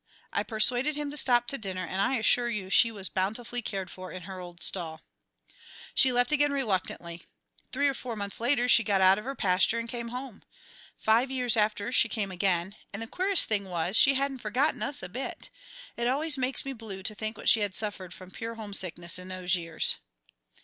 I persuaded him to stop to dinner, and I assure you she was bountifully cared for in her old stall. "She again left reluctantly. Three or four months later, she got out of her pasture and came home. Five years after she came again; and the queerest thing was, she hadn't forgotten us a bit. It always makes me blue to think what she had suffered from pure homesickness in those years."